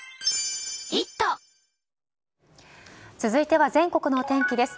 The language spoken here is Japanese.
続いては全国のお天気です。